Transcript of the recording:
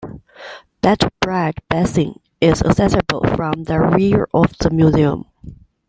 Battlebridge Basin is accessible from the rear of the museum.